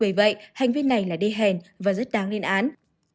vì vậy hành vi này là đề hèn và rất đáng liên án